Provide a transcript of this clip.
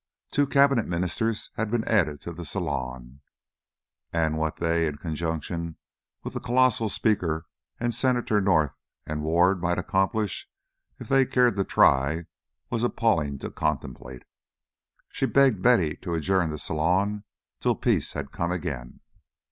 Two Cabinet ministers had been added to the salon, and what they in conjunction with the colossal Speaker and Senators North and Ward might accomplish if they cared to try, was appalling to contemplate. She begged Betty to adjourn the salon till peace had come again.